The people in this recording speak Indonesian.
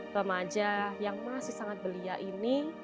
bama aja yang masih sangat belia ini